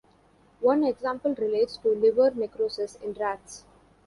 One example relates to liver necrosis in rats.